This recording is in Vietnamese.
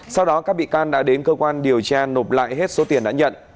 sau đó các bị can đã đến cơ quan điều tra nộp lại hết số tiền đã nhận